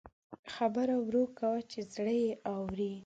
خبرې ورو کوه چې زړه یې اوري